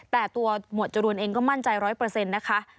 แต่ตัวหมวดจรูนเองก็มั่นใจ๑๐๐นะคะ